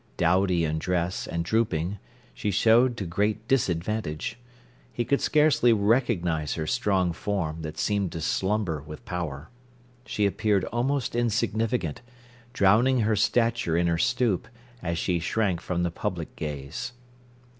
Dowdy in dress, and drooping, she showed to great disadvantage. He could scarcely recognise her strong form, that seemed to slumber with power. She appeared almost insignificant, drowning her stature in her stoop, as she shrank from the public gaze.